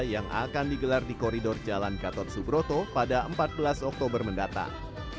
yang akan digelar di koridor jalan gatot subroto pada empat belas oktober mendatang